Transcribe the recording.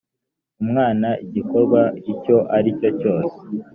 umwana igikorwa icyo aricyo cyose